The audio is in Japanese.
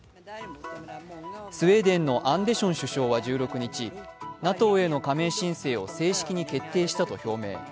スウェーデンのアンデション首相は１６日、ＮＡＴＯへの加盟申請を正式に決定したと表明。